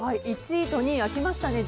１位と２位開きましたね。